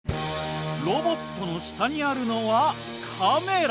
ロボットの下にあるのはカメラ。